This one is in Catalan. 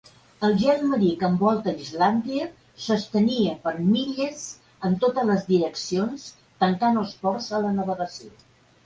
El gel marí que envolta a Islàndia s'estenia per milles en totes les direccions, tancant els ports a la navegació.